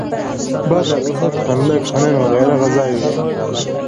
بدر، احد، خندق، حنین وغیره غزاوې وې.